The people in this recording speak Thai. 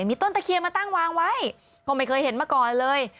มีต้นตะเคียนมาตั้งวางไว้ก็ไม่เคยเห็นมาก่อนเลย